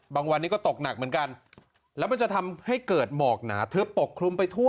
บางวันนี้ก็ตกหนักเหมือนกันแล้วมันจะทำให้เกิดหมอกหนาทึบปกคลุมไปทั่ว